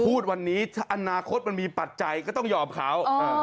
พูดวันนี้ถ้าอนาคตมันมีปัจจัยก็ต้องยอมเขา